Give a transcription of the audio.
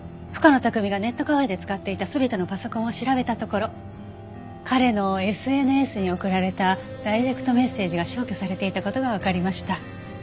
深野拓実がネットカフェで使っていた全てのパソコンを調べたところ彼のＳＮＳに送られたダイレクトメッセージが消去されていた事がわかりました。